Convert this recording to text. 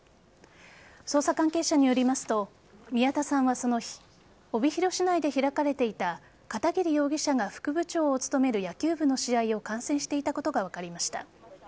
捜査関係者によりますと宮田さんはその日帯広市内で開かれていた片桐容疑者が副部長を務める野球部の試合を観戦していたことが分かりました。